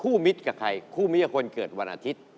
มิตรกับใครคู่มิตรกับคนเกิดวันอาทิตย์